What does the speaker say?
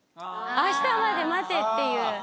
明日まで待てっていう。